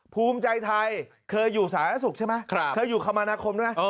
ภูมิใจไทยเคยอยู่สาธารณสุขใช่ไหมเคยอยู่คมนาคมด้วยไหม